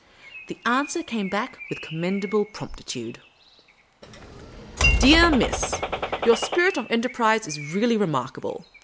The answer came back with commendable promptitude: " Dear Miss, — Your spirit of enterprise is really remarkable